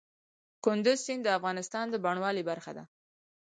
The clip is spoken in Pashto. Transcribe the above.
کندز سیند د افغانستان د بڼوالۍ برخه ده.